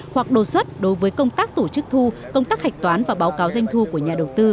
hoặc đồ xuất đối với công tác tổ chức thu công tác hạch toán và báo cáo doanh thu của nhà đầu tư